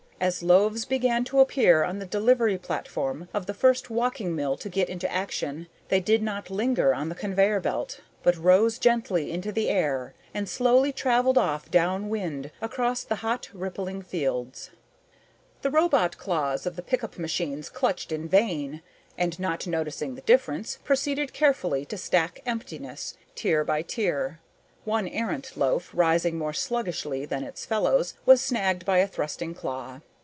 As loaves began to appear on the delivery platform of the first walking mill to get into action, they did not linger on the conveyor belt, but rose gently into the air and slowly traveled off down wind across the hot rippling fields. The robot claws of the pickup machines clutched in vain, and, not noticing the difference, proceeded carefully to stack emptiness, tier by tier. One errant loaf, rising more sluggishly than its fellows, was snagged by a thrusting claw.